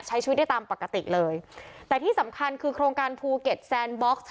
ใช้ชีวิตได้ตามปกติเลยแต่ที่สำคัญคือโครงการภูเก็ตแซนบ็อกซ์